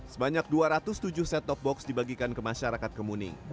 sebanyak dua ratus tujuh set top box dibagikan ke masyarakat kemuning